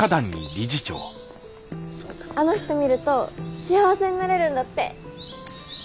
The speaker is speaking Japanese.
あの人見ると幸せになれるんだって。